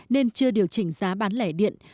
nên chưa điều chỉnh giá bán lẻ điện